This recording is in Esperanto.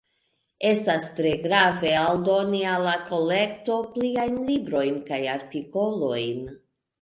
Estas tre grave aldoni al la kolekto pliajn librojn kaj artikolojn.